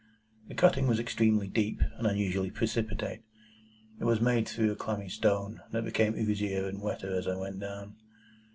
The cutting was extremely deep, and unusually precipitate. It was made through a clammy stone, that became oozier and wetter as I went down.